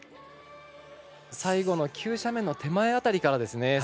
最後の急斜面の手前辺りからですね。